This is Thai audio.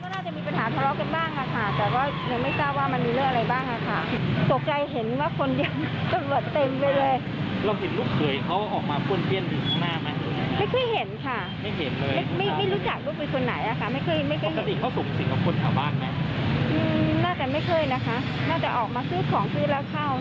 น่าจะออกมาซื้อของซื้อแล้วเข้าค่ะไม่เคยเห็นมาคุยกับใครค่ะ